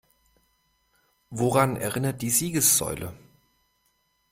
Woran erinnert die Siegessäule?